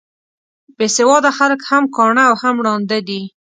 بې سواده خلک هم کاڼه او هم ړانده دي.